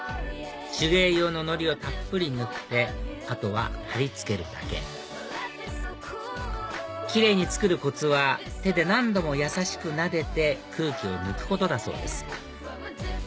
手芸用ののりをたっぷり塗って後は貼り付けるだけキレイに作るコツは手で何度も優しくなでて空気を抜くことだそうです